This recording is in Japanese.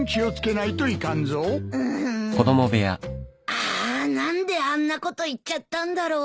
あー何であんなこと言っちゃったんだろう。